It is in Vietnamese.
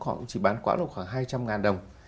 họ chỉ bán khoảng hai trăm linh ngàn đồng